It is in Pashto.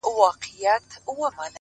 خو پر زړه مي سپين دسمال د چا د ياد!